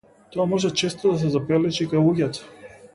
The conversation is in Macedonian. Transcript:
Тоа може често да се забележи и кај луѓето.